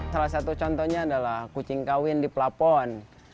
salah satu contohnya adalah kucing kawin di pelapon